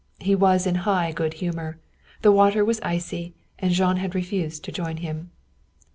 He was in high good humor. The water was icy, and Jean had refused to join him.